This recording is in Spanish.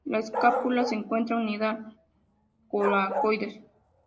La escápula se encuentra unida al coracoides.